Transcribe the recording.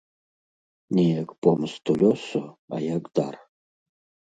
Не як помсту лёсу, а як дар.